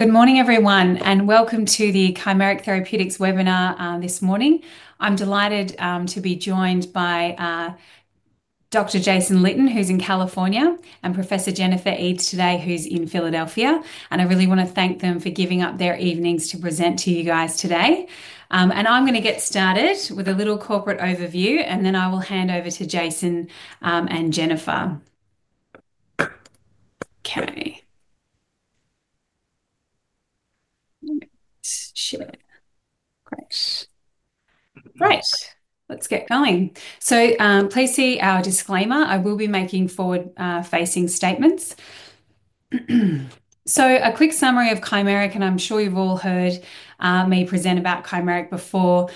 Good morning, everyone, and welcome to the Chimeric Therapeutics webinar this morning. I'm delighted to be joined by Dr. Jason Litton, who's in California, and Professor Jennifer Eads today, who's in Philadelphia. I really want to thank them for giving up their evenings to present to you guys today. I'm going to get started with a little corporate overview, and then I will hand over to Jason and Jennifer. Okay. Share. Great. Let's get going. Please see our disclaimer. I will be making forward-facing statements. A quick summary of Chimeric, and I'm sure you've all heard me present about Chimeric before.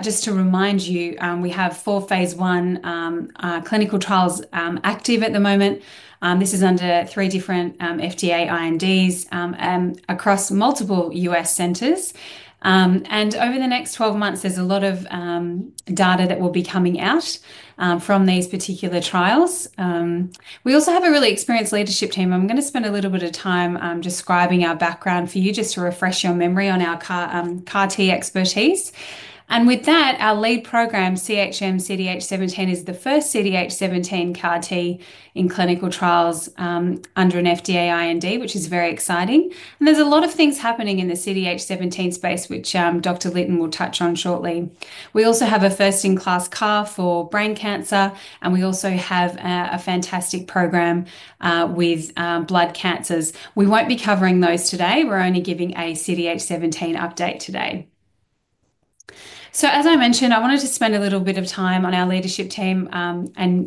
Just to remind you, we have four phase one clinical trials active at the moment. This is under three different FDA INDs across multiple U.S. centers. Over the next 12 months, there's a lot of data that will be coming out from these particular trials. We also have a really experienced leadership team. I'm going to spend a little bit of time describing our background for you just to refresh your memory on our CAR-T expertise. With that, our lead program, CHM 2101, is the first CDH17 CAR-T in clinical trials under an FDA IND, which is very exciting. There's a lot of things happening in the CDH17 space, which Dr. Litton will touch on shortly. We also have a first-in-class CAR for brain cancer, and we also have a fantastic program with blood cancers. We won't be covering those today. We're only giving a CDH17 update today. As I mentioned, I wanted to spend a little bit of time on our leadership team.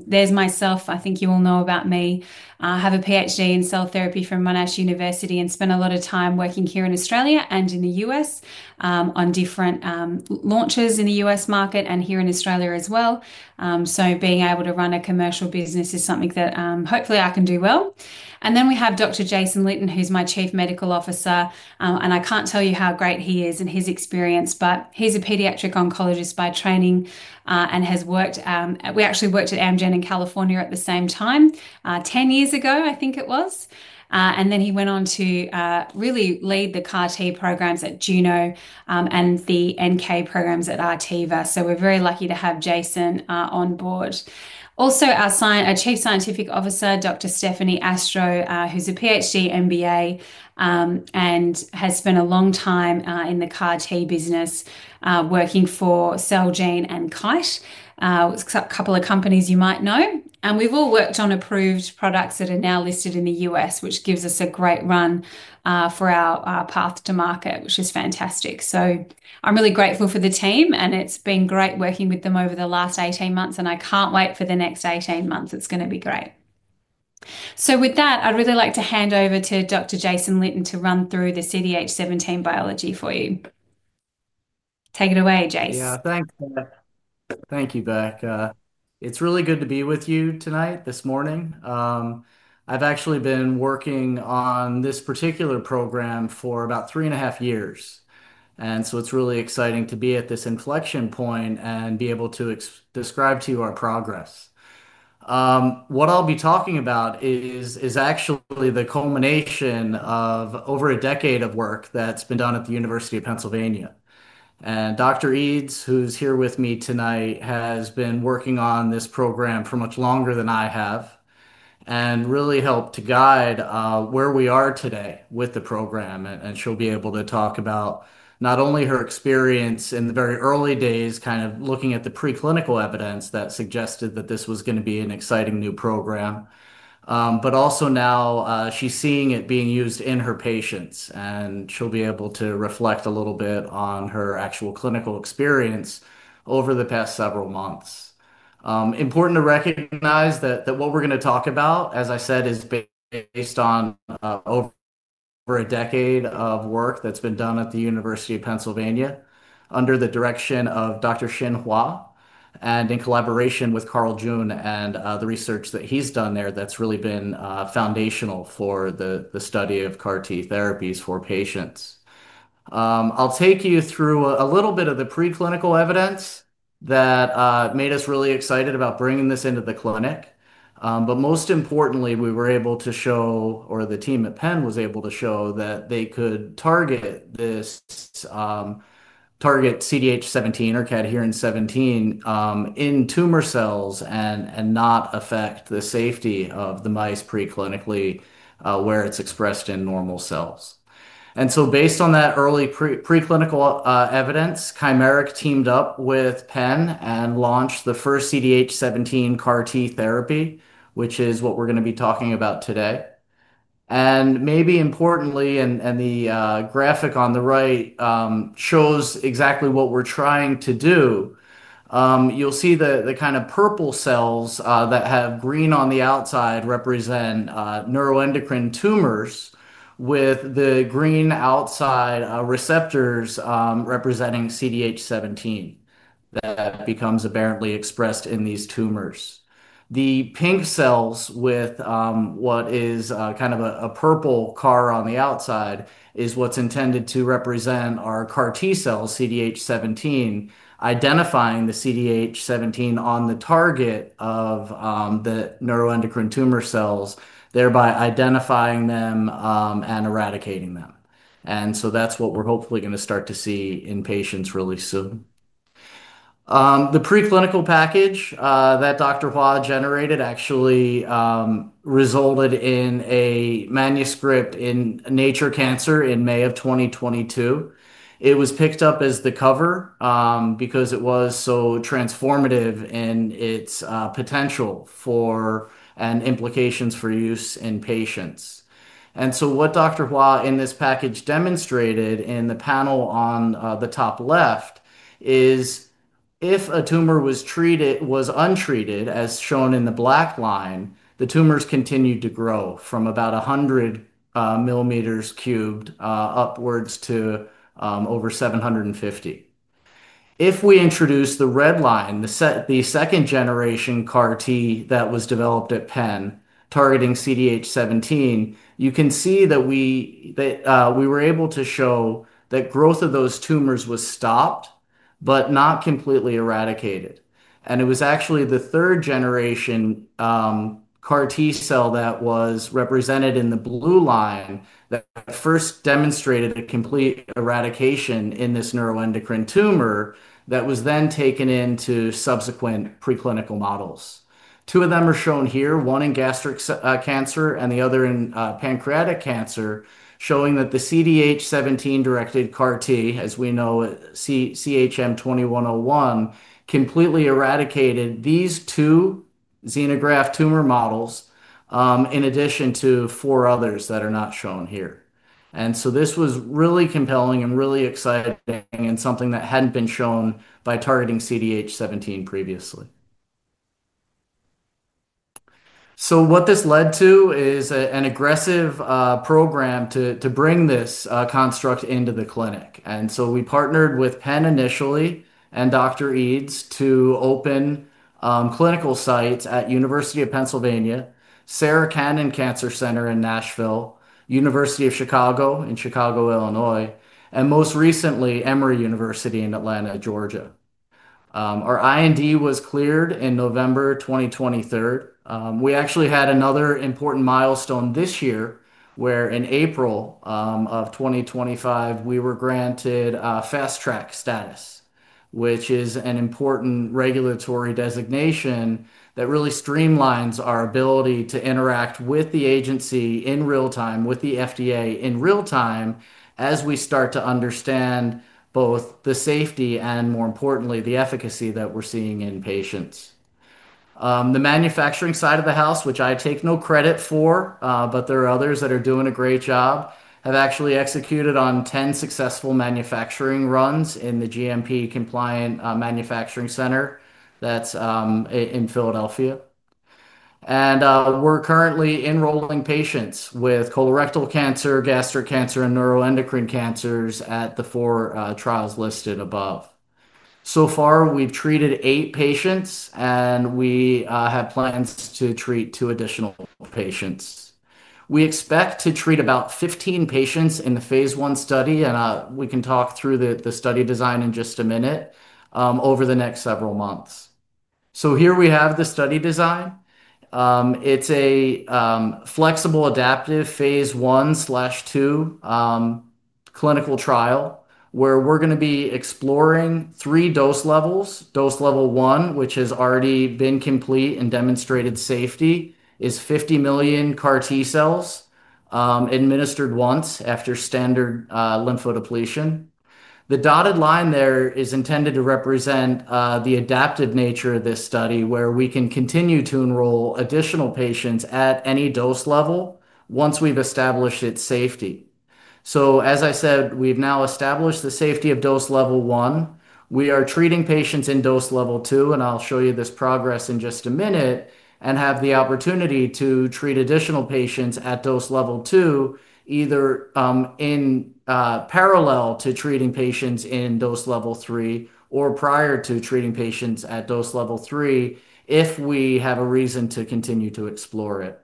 There's myself. I think you all know about me. I have a PhD in cell therapy from Monash University and spent a lot of time working here in Australia and in the U.S. on different launches in the U.S. market and here in Australia as well. Being able to run a commercial business is something that hopefully I can do well. Then we have Dr. Jason Litton, who's my Chief Medical Officer. I can't tell you how great he is in his experience, but he's a pediatric oncologist by training and has worked. We actually worked at Amgen in California at the same time, 10 years ago, I think it was. He went on to really lead the CAR-T programs at Juno Therapeutics and the NK programs at Artiva. We're very lucky to have Jason on board. Also, our Chief Scientific Officer, Dr. Stephanie Astro, who's a PhD MBA and has spent a long time in the CAR-T business working for Celgene and Kite Pharma, a couple of companies you might know. We have all worked on approved products that are now listed in the U.S., which gives us a great run for our path to market, which is fantastic. I am really grateful for the team, and it has been great working with them over the last 18 months. I cannot wait for the next 18 months. It is going to be great. With that, I would really like to hand over to Dr. Jason Litton to run through the CDH17 biology for you. Take it away, Jason. Yeah, thanks, Jenna. Thank you, Beck. It's really good to be with you tonight, this morning. I've actually been working on this particular program for about three and a half years. It's really exciting to be at this inflection point and be able to describe to you our progress. What I'll be talking about is actually the culmination of over a decade of work that's been done at the University of Pennsylvania. Dr. Eads, who's here with me tonight, has been working on this program for much longer than I have and really helped to guide where we are today with the program. She'll be able to talk about not only her experience in the very early days, kind of looking at the preclinical evidence that suggested that this was going to be an exciting new program, but also now she's seeing it being used in her patients. She'll be able to reflect a little bit on her actual clinical experience over the past several months. It's important to recognize that what we're going to talk about, as I said, is based on over a decade of work that's been done at the University of Pennsylvania under the direction of Dr. Xianxin Hua and in collaboration with Dr. Carl June and the research that he's done there that's really been foundational for the study of CAR-T cell therapy for patients. I'll take you through a little bit of the preclinical evidence that made us really excited about bringing this into the clinic. Most importantly, we were able to show, or the team at Penn was able to show, that they could target CDH17 in tumor cells and not affect the safety of the mice preclinically where it's expressed in normal cells. Based on that early preclinical evidence, Chimeric Therapeutics teamed up with Penn and launched the first CDH17 CAR-T cell therapy, which is what we're going to be talking about today. Importantly, the graphic on the right shows exactly what we're trying to do. You'll see the kind of purple cells that have green on the outside represent neuroendocrine tumors, with the green outside receptors representing CDH17 that becomes apparently expressed in these tumors. The pink cells with what is kind of a purple car on the outside is what's intended to represent our CAR-T cells, CDH17, identifying the CDH17 on the target of the neuroendocrine tumor cells, thereby identifying them and eradicating them. That's what we're hopefully going to start to see in patients really soon. The preclinical package that Dr. Hua generated actually resulted in a manuscript in Nature Cancer in May of 2022. It was picked up as the cover because it was so transformative in its potential and implications for use in patients. What Dr. Hua in this package demonstrated in the panel on the top left is if a tumor was untreated, as shown in the black line, the tumors continued to grow from about 100 millimeters cubed upwards to over 750. If we introduce the red line, the second generation CAR-T that was developed at Penn targeting CDH17, you can see that we were able to show that growth of those tumors was stopped but not completely eradicated. It was actually the third generation CAR-T cell that was represented in the blue line that first demonstrated a complete eradication in this neuroendocrine tumor that was then taken into subsequent preclinical models. Two of them are shown here, one in gastric cancer and the other in pancreatic cancer, showing that the CDH17 directed CAR-T, as we know it, CHM 2101, completely eradicated these two xenograft tumor models in addition to four others that are not shown here. This was really compelling and really exciting and something that hadn't been shown by targeting CDH17 previously. What this led to is an aggressive program to bring this construct into the clinic. We partnered with Penn initially and Dr. Eads to open clinical sites at University of Pennsylvania, Sarah Cannon Cancer Center in Nashville, University of Chicago in Chicago, Illinois, and most recently, Emory University in Atlanta, Georgia. Our IND was cleared in November 2023. We actually had another important milestone this year where in April of 2025, we were granted fast track status, which is an important regulatory designation that really streamlines our ability to interact with the agency in real time, with the FDA in real time, as we start to understand both the safety and, more importantly, the efficacy that we're seeing in patients. The manufacturing side of the house, which I take no credit for, but there are others that are doing a great job, have actually executed on 10 successful manufacturing runs in the GMP compliant manufacturing center that's in Philadelphia. We're currently enrolling patients with colorectal cancer, gastric cancer, and neuroendocrine cancers at the four trials listed above. So far, we've treated eight patients, and we have plans to treat two additional patients. We expect to treat about 15 patients in the phase one study, and we can talk through the study design in just a minute over the next several months. Here we have the study design. It's a flexible, adaptive phase one/two clinical trial where we're going to be exploring three dose levels. Dose level one, which has already been complete and demonstrated safety, is 50 million CAR-T cells administered once after standard lymphodepletion. The dotted line there is intended to represent the adaptive nature of this study where we can continue to enroll additional patients at any dose level once we've established its safety. As I said, we've now established the safety of dose level one. We are treating patients in dose level two, and I'll show you this progress in just a minute and have the opportunity to treat additional patients at dose level two, either in parallel to treating patients in dose level three or prior to treating patients at dose level three if we have a reason to continue to explore it.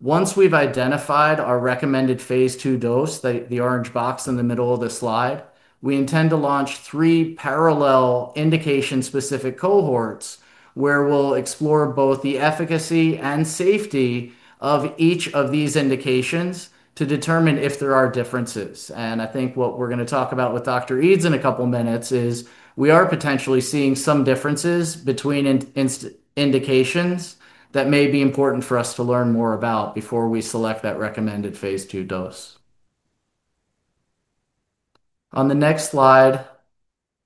Once we've identified our recommended phase two dose, the orange box in the middle of the slide, we intend to launch three parallel indication-specific cohorts where we'll explore both the efficacy and safety of each of these indications to determine if there are differences. I think what we're going to talk about with Dr. Eads in a couple of minutes is we are potentially seeing some differences between indications that may be important for us to learn more about before we select that recommended phase two dose. On the next slide,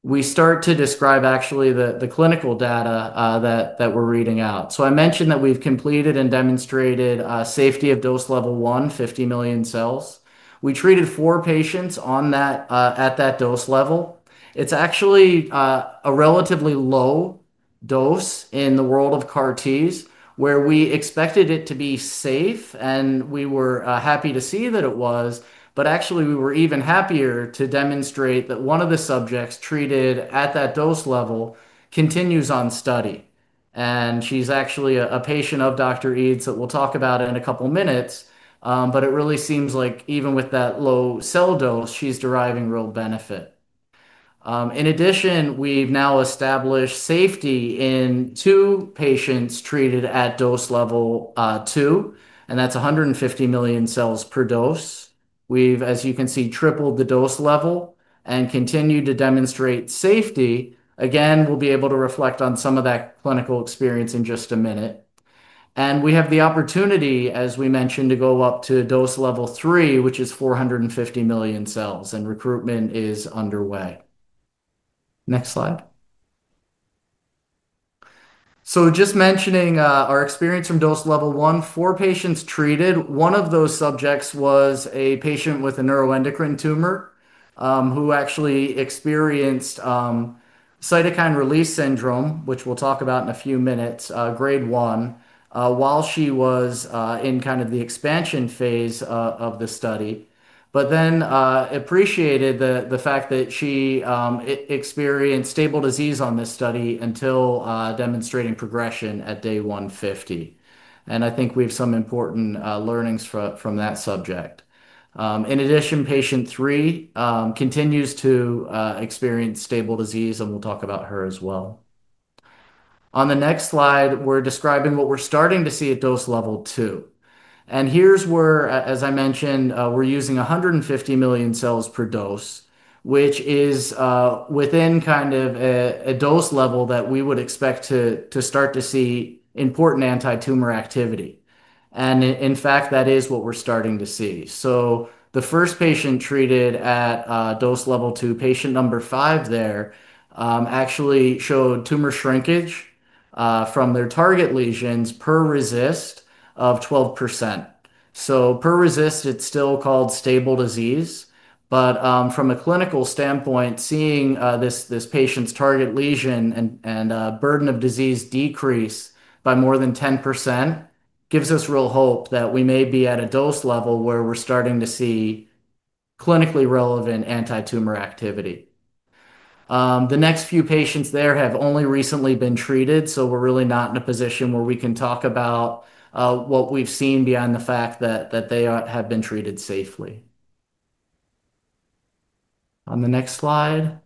we start to describe actually the clinical data that we're reading out. I mentioned that we've completed and demonstrated safety of dose level one, 50 million cells. We treated four patients at that dose level. It's actually a relatively low dose in the world of CAR-Ts where we expected it to be safe, and we were happy to see that it was. We were even happier to demonstrate that one of the subjects treated at that dose level continues on study. She's actually a patient of Dr. Eads that we'll talk about in a couple of minutes. It really seems like even with that low cell dose, she's deriving real benefit. In addition, we've now established safety in two patients treated at dose level two, and that's 150 million cells per dose. As you can see, we've tripled the dose level and continued to demonstrate safety. Again, we'll be able to reflect on some of that clinical experience in just a minute. We have the opportunity, as we mentioned, to go up to dose level three, which is 450 million cells, and recruitment is underway. Next slide. Just mentioning our experience from dose level one, four patients treated. One of those subjects was a patient with a neuroendocrine tumor who actually experienced cytokine release syndrome, which we'll talk about in a few minutes, grade one, while she was in the expansion phase of the study. She experienced stable disease on this study until demonstrating progression at day 150. I think we have some important learnings from that subject. In addition, patient three continues to experience stable disease, and we'll talk about her as well. On the next slide, we're describing what we're starting to see at dose level two. Here's where, as I mentioned, we're using 150 million cells per dose, which is within a dose level that we would expect to start to see important anti-tumor activity. In fact, that is what we're starting to see. The first patient treated at dose level two, patient number five, actually showed tumor shrinkage from their target lesions per RECIST of 12%. Per RECIST, it's still called stable disease. From a clinical standpoint, seeing this patient's target lesion and burden of disease decrease by more than 10% gives us real hope that we may be at a dose level where we're starting to see clinically relevant anti-tumor activity. The next few patients have only recently been treated, so we're not in a position where we can talk about what we've seen beyond the fact that they have been treated safely. On the next slide.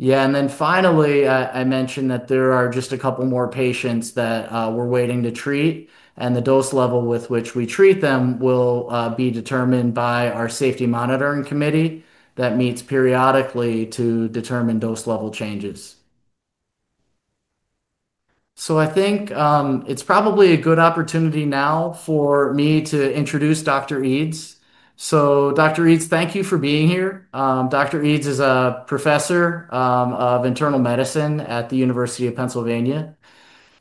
Finally, I mentioned that there are just a couple more patients that we're waiting to treat, and the dose level with which we treat them will be determined by our safety monitoring committee that meets periodically to determine dose level changes. I think it's probably a good opportunity now for me to introduce Dr. Eads. Dr. Eads, thank you for being here. Dr. Eads is a Professor of Internal Medicine at the University of Pennsylvania.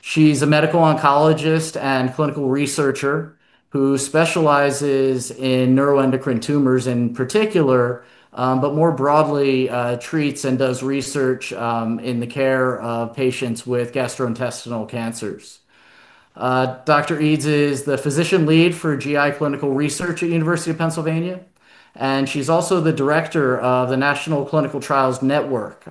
She's a medical oncologist and clinical researcher who specializes in neuroendocrine tumors in particular, but more broadly treats and does research in the care of patients with gastrointestinal cancers. Dr. Professor Jennifer Eads is the physician lead for GI clinical research at the University of Pennsylvania, and she's also the Director of the National Clinical Trials Network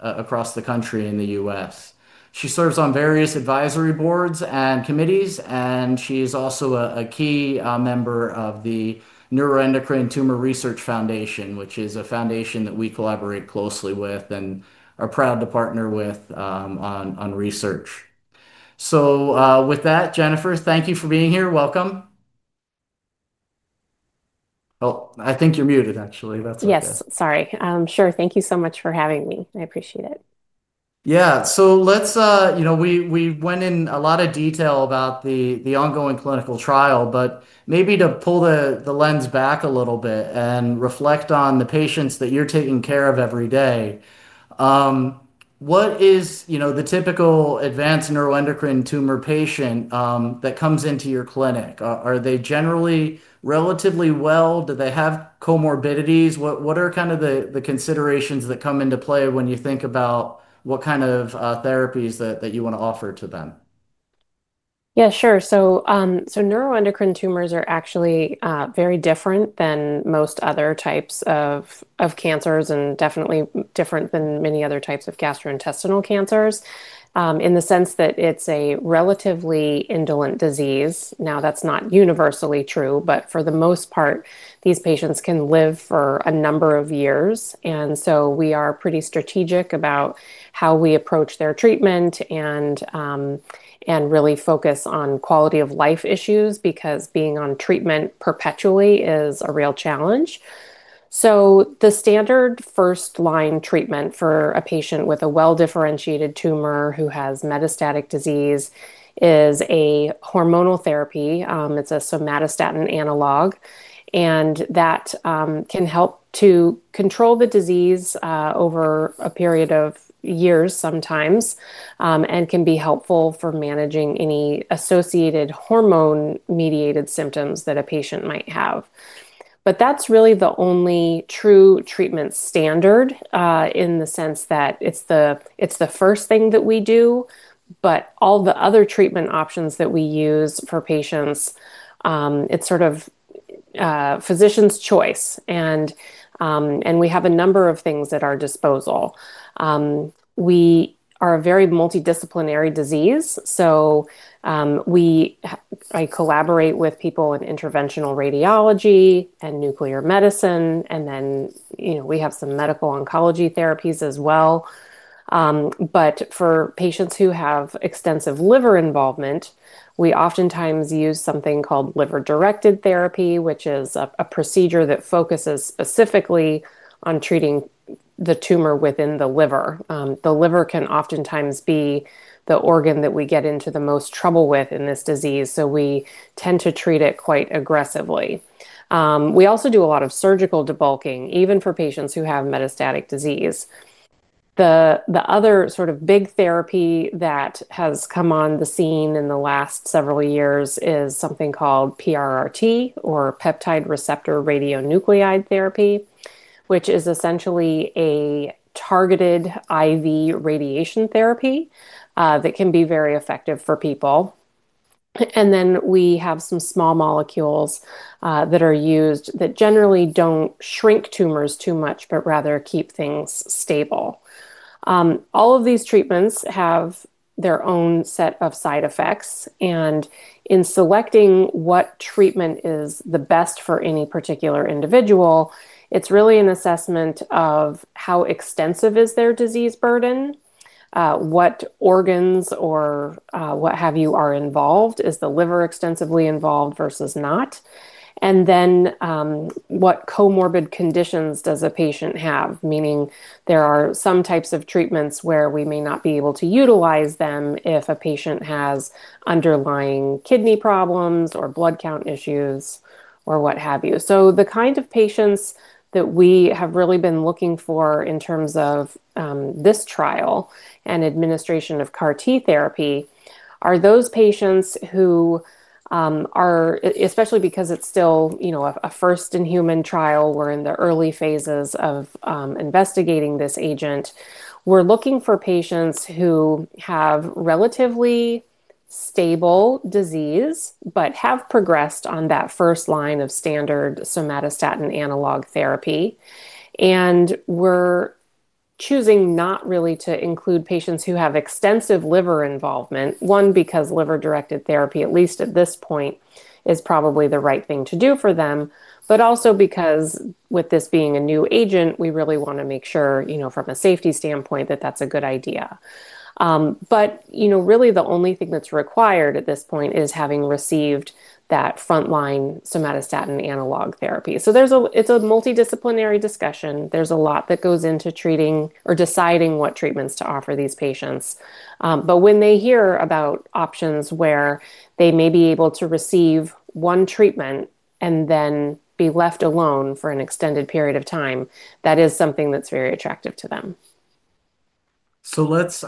across the country in the U.S. She serves on various advisory boards and committees, and she is also a key member of the Neuroendocrine Tumor Research Foundation, which is a foundation that we collaborate closely with and are proud to partner with on research. Jennifer, thank you for being here. Welcome. Oh, I think you're muted, actually. That's okay. Yes, sure. Thank you so much for having me. I appreciate it. Yeah, let's, you know, we went in a lot of detail about the ongoing clinical trial, but maybe to pull the lens back a little bit and reflect on the patients that you're taking care of every day. What is, you know, the typical advanced neuroendocrine tumor patient that comes into your clinic? Are they generally relatively well? Do they have comorbidities? What are kind of the considerations that come into play when you think about what kind of therapies that you want to offer to them? Yeah, sure. Neuroendocrine tumors are actually very different than most other types of cancers and definitely different than many other types of gastrointestinal cancers in the sense that it's a relatively indolent disease. Now, that's not universally true, but for the most part, these patients can live for a number of years. We are pretty strategic about how we approach their treatment and really focus on quality of life issues because being on treatment perpetually is a real challenge. The standard first-line treatment for a patient with a well-differentiated tumor who has metastatic disease is a hormonal therapy. It's a somatostatin analog, and that can help to control the disease over a period of years sometimes and can be helpful for managing any associated hormone-mediated symptoms that a patient might have. That's really the only true treatment standard in the sense that it's the first thing that we do, but all the other treatment options that we use for patients, it's sort of a physician's choice. We have a number of things at our disposal. We are a very multidisciplinary disease. I collaborate with people in interventional radiology and nuclear medicine, and then, you know, we have some medical oncology therapies as well. For patients who have extensive liver involvement, we oftentimes use something called liver-directed therapy, which is a procedure that focuses specifically on treating the tumor within the liver. The liver can oftentimes be the organ that we get into the most trouble with in this disease, so we tend to treat it quite aggressively. We also do a lot of surgical debulking, even for patients who have metastatic disease. The other sort of big therapy that has come on the scene in the last several years is something called PRRT or peptide receptor radionuclide therapy, which is essentially a targeted IV radiation therapy that can be very effective for people. We have some small molecules that are used that generally don't shrink tumors too much, but rather keep things stable. All of these treatments have their own set of side effects. In selecting what treatment is the best for any particular individual, it's really an assessment of how extensive is their disease burden, what organs or what have you are involved, is the liver extensively involved versus not, and then what comorbid conditions does a patient have, meaning there are some types of treatments where we may not be able to utilize them if a patient has underlying kidney problems or blood count issues or what have you. The kind of patients that we have really been looking for in terms of this trial and administration of CAR-T cell therapy are those patients who are, especially because it's still, you know, a first-in-human trial, we're in the early phases of investigating this agent, we're looking for patients who have relatively stable disease but have progressed on that first line of standard somatostatin analog therapy. We're choosing not really to include patients who have extensive liver involvement, one, because liver-directed therapy, at least at this point, is probably the right thing to do for them, but also because with this being a new agent, we really want to make sure, you know, from a safety standpoint, that that's a good idea. Really the only thing that's required at this point is having received that front-line somatostatin analog therapy. It's a multidisciplinary discussion. There's a lot that goes into treating or deciding what treatments to offer these patients. When they hear about options where they may be able to receive one treatment and then be left alone for an extended period of time, that is something that's very attractive to them. Let's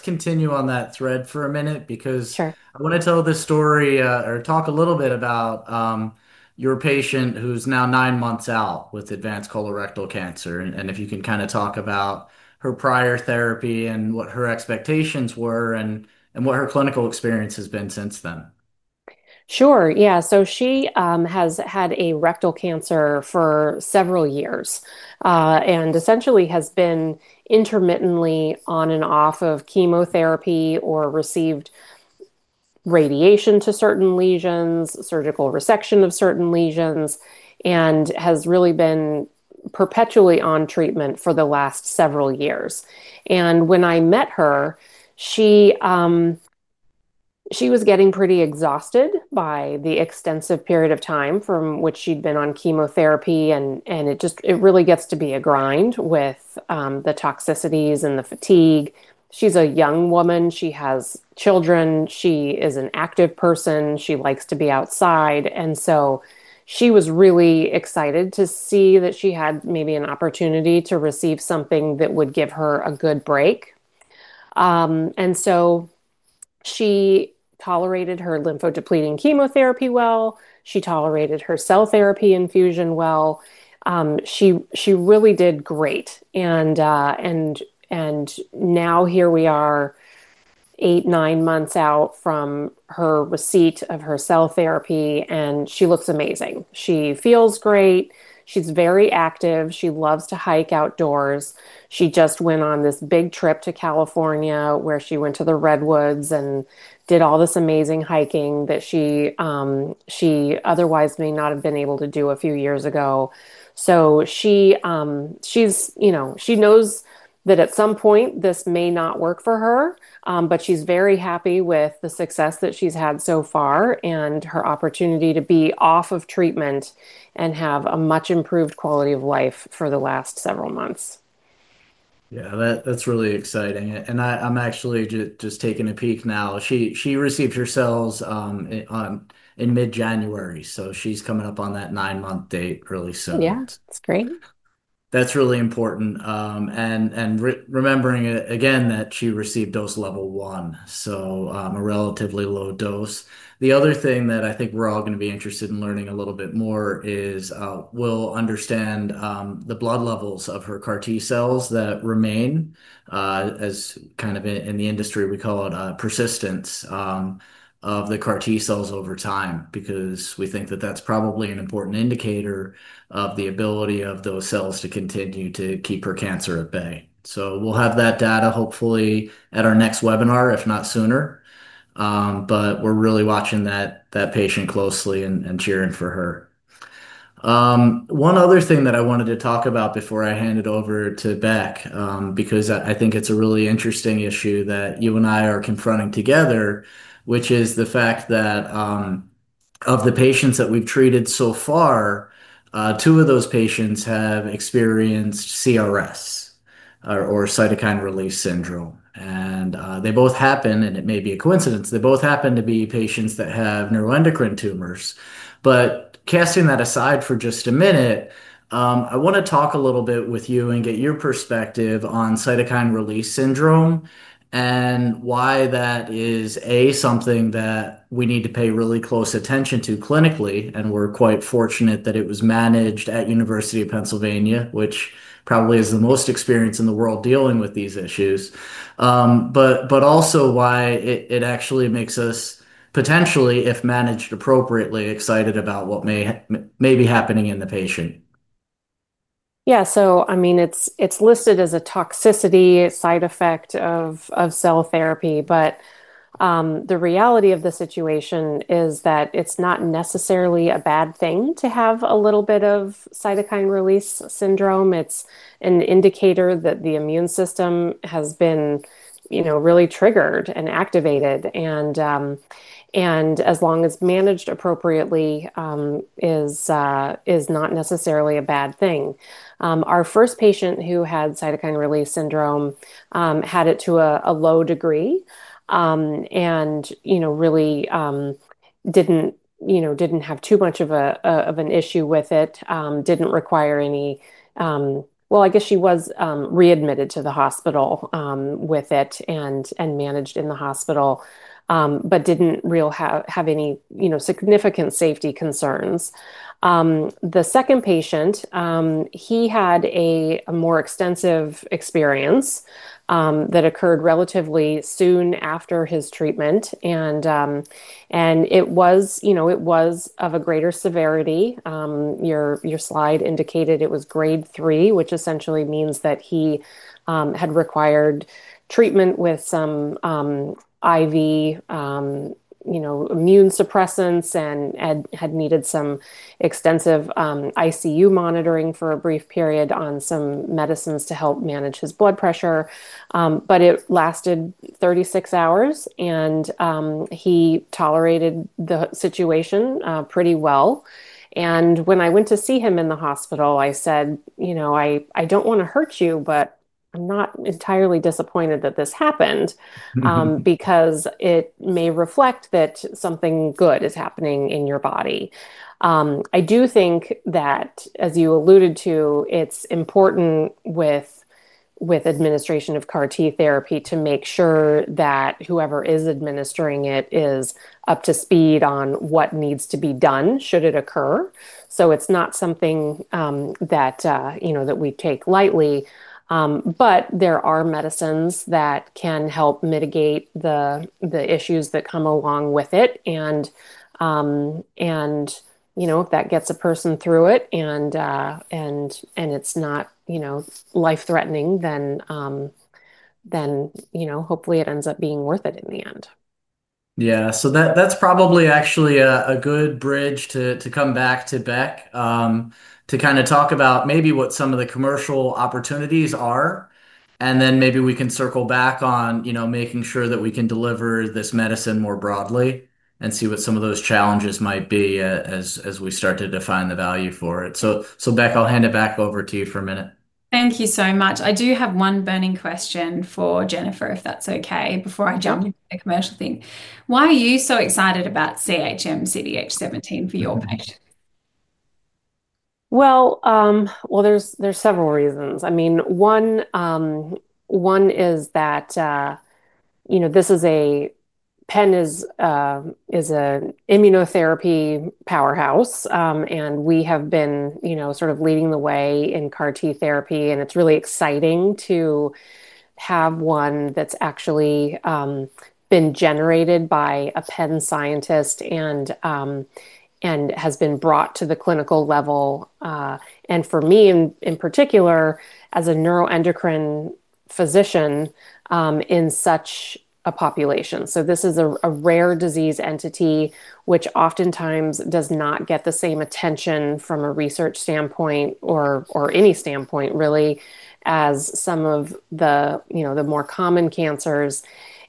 continue on that thread for a minute because I want to tell the story or talk a little bit about your patient who's now nine months out with advanced colorectal cancer, and if you can kind of talk about her prior therapy and what her expectations were and what her clinical experience has been since then. Sure, yeah, she has had a rectal cancer for several years and essentially has been intermittently on and off of chemotherapy or received radiation to certain lesions, surgical resection of certain lesions, and has really been perpetually on treatment for the last several years. When I met her, she was getting pretty exhausted by the extensive period of time from which she'd been on chemotherapy, and it really gets to be a grind with the toxicities and the fatigue. She's a young woman. She has children. She is an active person. She likes to be outside. She was really excited to see that she had maybe an opportunity to receive something that would give her a good break. She tolerated her lymphodepleting chemotherapy well. She tolerated her cell therapy infusion well. She really did great. Now here we are eight, nine months out from her receipt of her cell therapy, and she looks amazing. She feels great. She's very active. She loves to hike outdoors. She just went on this big trip to California where she went to the redwoods and did all this amazing hiking that she otherwise may not have been able to do a few years ago. She knows that at some point this may not work for her, but she's very happy with the success that she's had so far and her opportunity to be off of treatment and have a much improved quality of life for the last several months. Yeah, that's really exciting. I'm actually just taking a peek now. She received her cells in mid-January, so she's coming up on that nine-month date really soon. Yeah, that's great. That's really important. Remembering again that she received dose level one, so a relatively low dose. The other thing that I think we're all going to be interested in learning a little bit more is we'll understand the blood levels of her CAR-T cells that remain, as in the industry we call it a persistence of the CAR-T cells over time because we think that that's probably an important indicator of the ability of those cells to continue to keep her cancer at bay. We'll have that data hopefully at our next webinar, if not sooner. We're really watching that patient closely and cheering for her. One other thing that I wanted to talk about before I hand it over to Beck, because I think it's a really interesting issue that you and I are confronting together, which is the fact that of the patients that we've treated so far, two of those patients have experienced CRS or cytokine release syndrome. They both happen, and it may be a coincidence, they both happen to be patients that have neuroendocrine tumors. Casting that aside for just a minute, I want to talk a little bit with you and get your perspective on cytokine release syndrome and why that is, A, something that we need to pay really close attention to clinically, and we're quite fortunate that it was managed at University of Pennsylvania, which probably is the most experienced in the world dealing with these issues, but also why it actually makes us potentially, if managed appropriately, excited about what may be happening in the patient. Yeah, so I mean, it's listed as a toxicity side effect of cell therapy, but the reality of the situation is that it's not necessarily a bad thing to have a little bit of cytokine release syndrome. It's an indicator that the immune system has been, you know, really triggered and activated. As long as managed appropriately, it's not necessarily a bad thing. Our first patient who had cytokine release syndrome had it to a low degree and really didn't have too much of an issue with it, didn't require any, well, I guess she was readmitted to the hospital with it and managed in the hospital, but didn't really have any significant safety concerns. The second patient, he had a more extensive experience that occurred relatively soon after his treatment. It was of a greater severity. Your slide indicated it was grade three, which essentially means that he had required treatment with some IV immune suppressants and had needed some extensive ICU monitoring for a brief period on some medicines to help manage his blood pressure. It lasted 36 hours, and he tolerated the situation pretty well. When I went to see him in the hospital, I said, you know, I don't want to hurt you, but I'm not entirely disappointed that this happened because it may reflect that something good is happening in your body. I do think that, as you alluded to, it's important with administration of CAR-T cell therapy to make sure that whoever is administering it is up to speed on what needs to be done should it occur. It's not something that we take lightly. There are medicines that can help mitigate the issues that come along with it. If that gets a person through it and it's not life-threatening, then hopefully it ends up being worth it in the end. Yeah, that's probably actually a good bridge to come back to Beck to kind of talk about maybe what some of the commercial opportunities are. Maybe we can circle back on, you know, making sure that we can deliver this medicine more broadly and see what some of those challenges might be as we start to define the value for it. Beck, I'll hand it back over to you for a minute. Thank you so much. I do have one burning question for Jennifer, if that's okay, before I jump into the commercial thing. Why are you so excited about CHM 2101 for your patients? There are several reasons. One is that, you know, Penn is an immunotherapy powerhouse. We have been, you know, sort of leading the way in CAR-T cell therapy. It's really exciting to have one that's actually been generated by a Penn scientist and has been brought to the clinical level. For me, in particular, as a neuroendocrine physician in such a population. This is a rare disease entity which oftentimes does not get the same attention from a research standpoint or any standpoint, really, as some of the, you know, the more common cancers.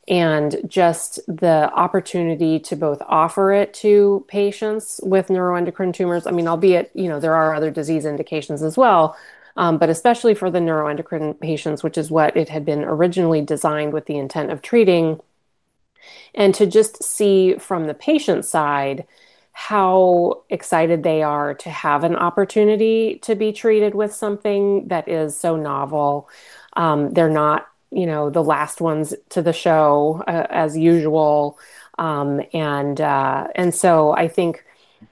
Just the opportunity to both offer it to patients with neuroendocrine tumors, I mean, albeit, you know, there are other disease indications as well, but especially for the neuroendocrine patients, which is what it had been originally designed with the intent of treating. To just see from the patient's side how excited they are to have an opportunity to be treated with something that is so novel. They're not, you know, the last ones to the show, as usual. I think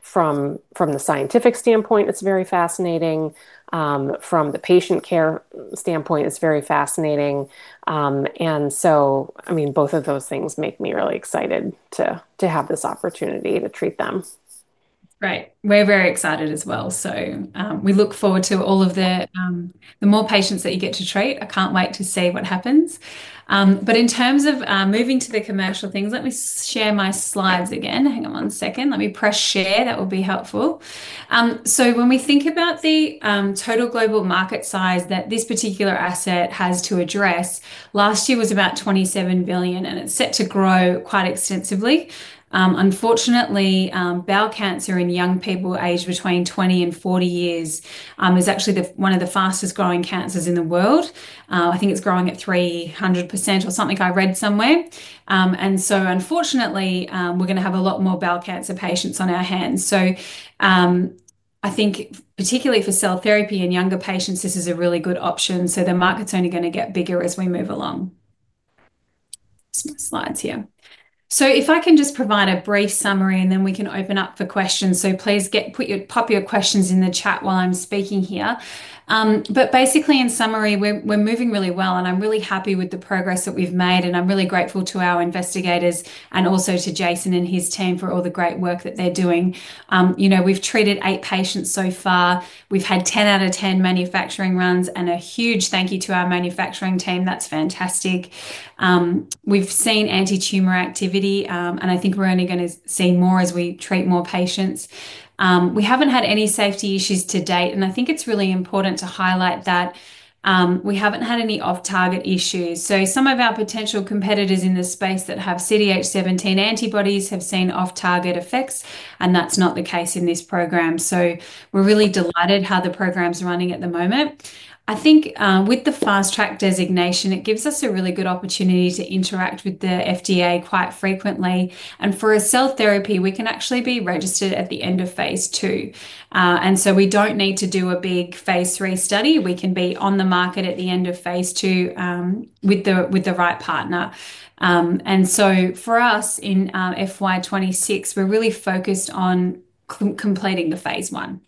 from the scientific standpoint, it's very fascinating. From the patient care standpoint, it's very fascinating. Both of those things make me really excited to have this opportunity to treat them. Right. Very, very excited as well. We look forward to all of the more patients that you get to treat. I can't wait to see what happens. In terms of moving to the commercial things, let me share my slides again. Hang on one second. Let me press share. That would be helpful. When we think about the total global market size that this particular asset has to address, last year was about $27 billion, and it's set to grow quite extensively. Unfortunately, bowel cancer in young people aged between 20 and 40 years is actually one of the fastest growing cancers in the world. I think it's growing at 300% or something I read somewhere. Unfortunately, we're going to have a lot more bowel cancer patients on our hands. I think, particularly for cell therapy in younger patients, this is a really good option. The market's only going to get bigger as we move along. Slides here. If I can just provide a brief summary, then we can open up for questions. Please pop your questions in the chat while I'm speaking here. Basically, in summary, we're moving really well, and I'm really happy with the progress that we've made. I'm really grateful to our investigators and also to Jason and his team for all the great work that they're doing. We've treated eight patients so far. We've had 10 out of 10 manufacturing runs, and a huge thank you to our manufacturing team. That's fantastic. We've seen anti-tumor activity, and I think we're only going to see more as we treat more patients. We haven't had any safety issues to date, and I think it's really important to highlight that we haven't had any off-target issues. Some of our potential competitors in this space that have CDH17 antibodies have seen off-target effects, and that's not the case in this program. We're really delighted how the program's running at the moment. I think with the fast-track designation, it gives us a really good opportunity to interact with the FDA quite frequently. For a cell therapy, we can actually be registered at the end of phase two. We don't need to do a big phase three study. We can be on the market at the end of phase two with the right partner. For us in FY26, we're really focused on completing the phase one.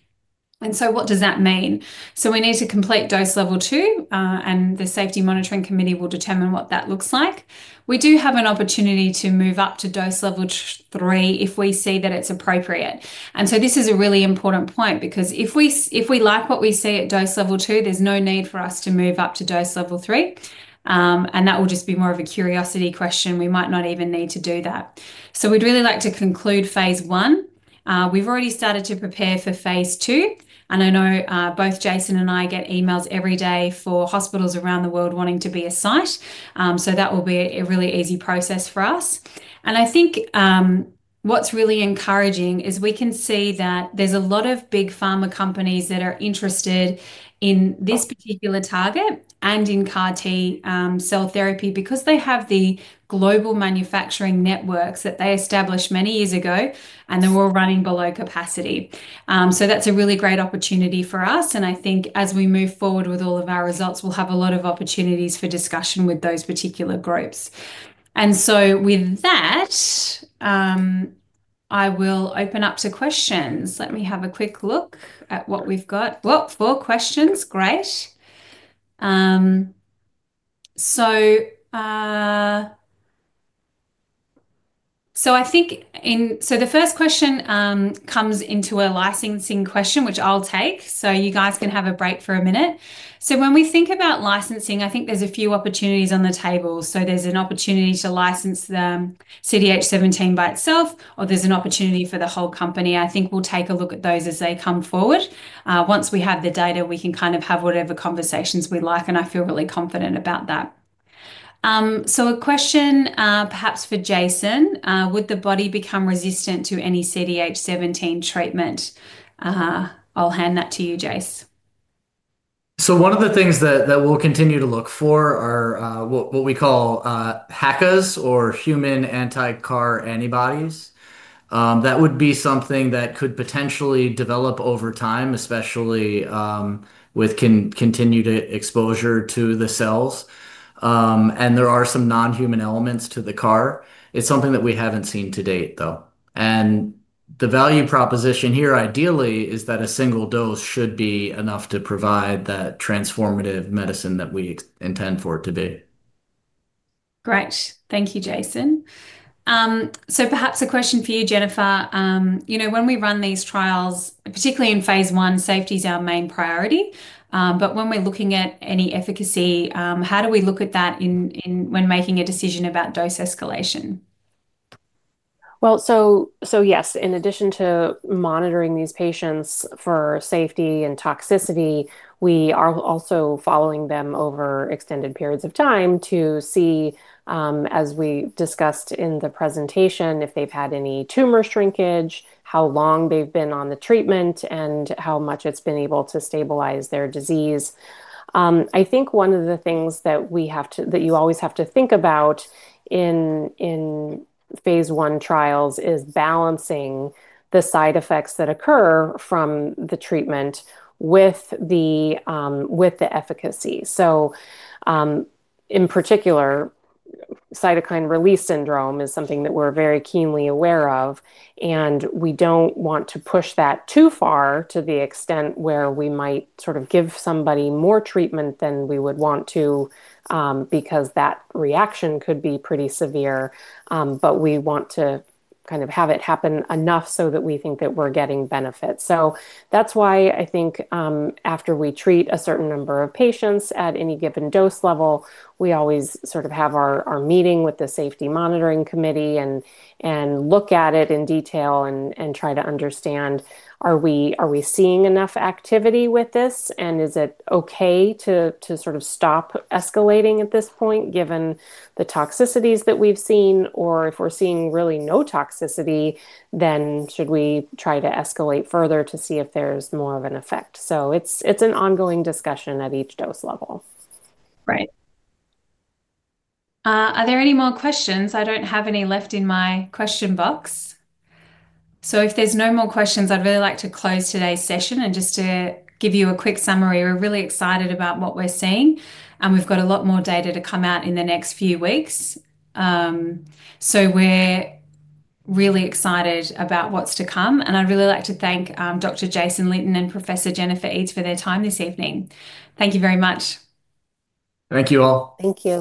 What does that mean? We need to complete dose level two, and the safety monitoring committee will determine what that looks like. We do have an opportunity to move up to dose level three if we see that it's appropriate. This is a really important point because if we like what we see at dose level two, there's no need for us to move up to dose level three. That will just be more of a curiosity question. We might not even need to do that. We'd really like to conclude phase one. We've already started to prepare for phase two. I know both Jason and I get emails every day from hospitals around the world wanting to be a site. That will be a really easy process for us. I think what's really encouraging is we can see that there's a lot of big pharma companies that are interested in this particular target and in CAR-T cell therapy because they have the global manufacturing networks that they established many years ago, and they're all running below capacity. That's a really great opportunity for us. I think as we move forward with all of our results, we'll have a lot of opportunities for discussion with those particular groups. With that, I will open up to questions. Let me have a quick look at what we've got. Four questions. Great. I think the first question comes into a licensing question, which I'll take. You guys can have a break for a minute. When we think about licensing, I think there's a few opportunities on the table. There's an opportunity to license CDH17 by itself, or there's an opportunity for the whole company. I think we'll take a look at those as they come forward. Once we have the data, we can kind of have whatever conversations we'd like, and I feel really confident about that. A question perhaps for Jason. Would the body become resistant to any CDH17 treatment? I'll hand that to you, Jason. One of the things that we'll continue to look for are what we call HACAs or human anti-CAR antibodies. That would be something that could potentially develop over time, especially with continued exposure to the cells. There are some non-human elements to the CAR. It's something that we haven't seen to date, though. The value proposition here ideally is that a single dose should be enough to provide that transformative medicine that we intend for it to be. Great. Thank you, Jason. Perhaps a question for you, Jennifer. You know, when we run these trials, particularly in phase one, safety is our main priority. When we're looking at any efficacy, how do we look at that when making a decision about dose escalation? Yes, in addition to monitoring these patients for safety and toxicity, we are also following them over extended periods of time to see, as we discussed in the presentation, if they've had any tumor shrinkage, how long they've been on the treatment, and how much it's been able to stabilize their disease. I think one of the things that you always have to think about in phase one trials is balancing the side effects that occur from the treatment with the efficacy. In particular, cytokine release syndrome is something that we're very keenly aware of. We don't want to push that too far to the extent where we might sort of give somebody more treatment than we would want to because that reaction could be pretty severe. We want to kind of have it happen enough so that we think that we're getting benefit. That's why I think after we treat a certain number of patients at any given dose level, we always sort of have our meeting with the safety monitoring committee and look at it in detail and try to understand, are we seeing enough activity with this? Is it okay to sort of stop escalating at this point given the toxicities that we've seen? If we're seeing really no toxicity, then should we try to escalate further to see if there's more of an effect? It's an ongoing discussion at each dose level. Right. Are there any more questions? I don't have any left in my question box. If there's no more questions, I'd really like to close today's session. Just to give you a quick summary, we're really excited about what we're seeing. We've got a lot more data to come out in the next few weeks. We're really excited about what's to come. I'd really like to thank Dr. Jason Litton and Professor Jennifer Eads for their time this evening. Thank you very much. Thank you all. Thank you.